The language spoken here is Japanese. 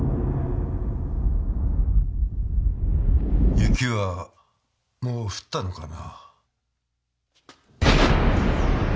雪はもう降ったのかな？